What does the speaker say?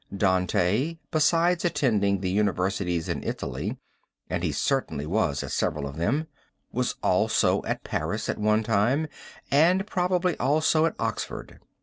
Dante, besides attending the universities in Italy, and he certainly was at several of them, was also at Paris at one time and probably also at Oxford.